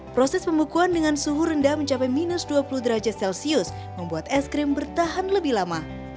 proses pembekuan dengan suhu rendah mencapai minus dua puluh derajat celcius membuat es krim bertahan lebih lama